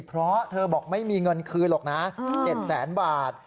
เพราะเธอบอกไม่มีเงินคืนหรอกนะ๗แสนบาท